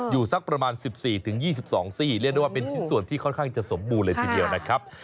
สักประมาณ๑๔๒๒ซี่เรียกได้ว่าเป็นชิ้นส่วนที่ค่อนข้างจะสมบูรณเลยทีเดียวนะครับ